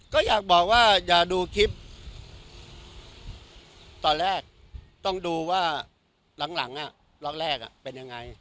ก็อยากบอกว่าอย่าดูคลิปตอนแรกต้องดูว่าหลังล็อกแรกเป็นยังไง